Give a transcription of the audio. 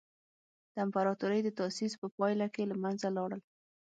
د امپراتورۍ د تاسیس په پایله کې له منځه لاړل.